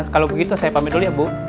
kalau begitu saya pamit dulu ya bu